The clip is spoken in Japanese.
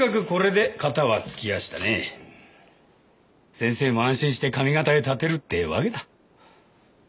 先生も安心して上方へ発てるってえわけだ。